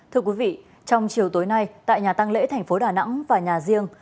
thưa quý vị trong chiều tối nay tại nhà tăng lễ tp đà nẵng và nhà riêng